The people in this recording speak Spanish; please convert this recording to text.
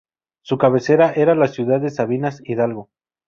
Su cabecera era la ciudad de Sabinas Hidalgo.